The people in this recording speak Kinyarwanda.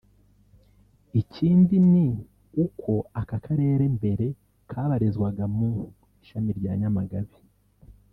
Ikindi ni uko aka karere mbere kabarizwaga mu ishami rya Nyamagabe